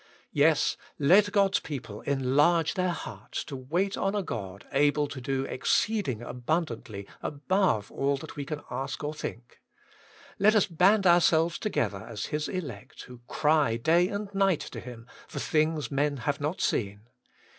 Yes, let God's people enlarge their hearts to wait on a God able to do exceeding abundantly above what we can ask or think. Let us band ourselves together as His elect who cry day and night to Him for things men have not seen.